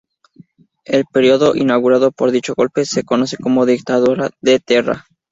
El período inaugurado por dicho golpe se conoce como Dictadura de Terra.